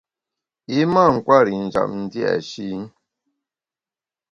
I mâ nkwer i njap dia’shi.